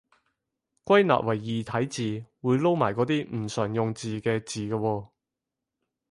歸納為異體字，會撈埋嗰啲唔常用字嘅字嘅喎